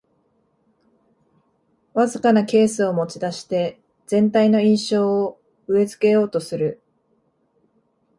わずかなケースを持ちだして全体の印象を植え付けようとする